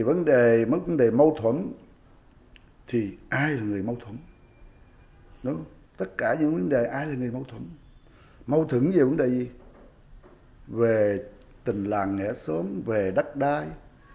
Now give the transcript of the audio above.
về tình làng nghệ sống về đất đai